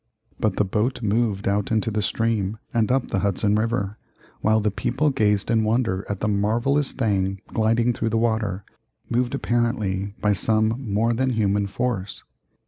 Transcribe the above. But the boat moved out into the stream and up the Hudson River, while the people gazed in wonder at the marvellous thing gliding through the water, moved apparently by some more than human force.